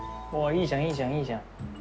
いいじゃんいいじゃんいいじゃん。